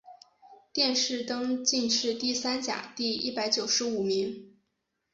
殿试登进士第三甲第一百九十五名。